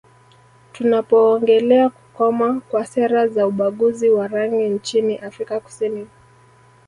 Tunapoongelea kukoma kwa sera za ubaguzi wa rangi nchini Afrika Kusini